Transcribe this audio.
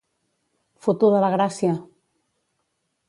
Fotuda la gràcia!